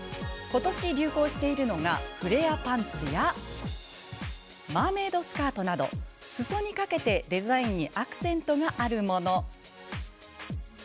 今年流行しているのがフレアパンツやマーメイドスカートなどすそにかけてデザインにアクセントがあるもの。